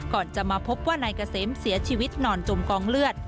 ก่อนจะมาพบว่านายเกษมเสียชีวิตนอนจมกองเลือด